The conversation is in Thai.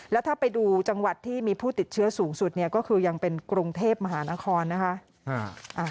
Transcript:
แล้วถ้าไปดูจังหวัดที่มีผู้ติดเชื้อสูงสุดเนี่ยก็คือยังเป็นกรุงเทพมหานครนะคะ